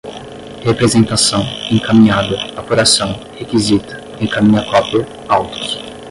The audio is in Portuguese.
representação, encaminhada, apuração, requisita, encaminha cópia, autos